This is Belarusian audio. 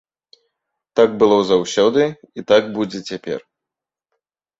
Так было заўсёды і так будзе цяпер.